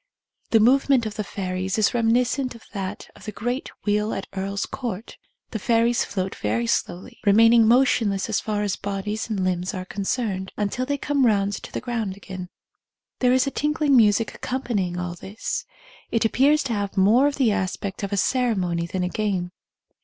The movement of the fairies is reminiscent of that of the great wheel at Earl 's Court. The fairies float very slowly, remaining motion less as far as bodies and limbs are concerned, until they come round to the ground again. 113 THE COMING OF THE FAIRIES There is a tinkling music accompanying all this. It appears to have more of the aspect of a ceremony than a game.